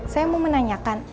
saya mau menanyakan